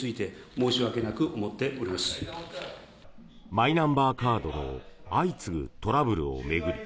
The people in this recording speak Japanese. マイナンバーカードの相次ぐトラブルを巡り